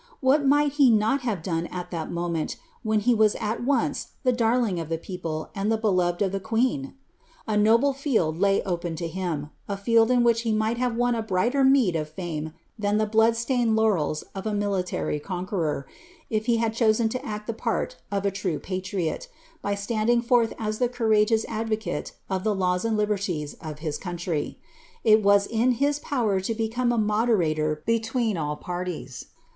What might he not have done at that moment, when he was at once the darling of the people and the beloved of the queen ? A noble field lay open to him — a field in which he might have won a brighter meed of fame than the blood stained laurels of a military conqueror, if he had chosen to act the part of a true patriot, by standing forth as the courageous advocate of the laws and liberties of his country. It was in his power to become a moderator between all parties.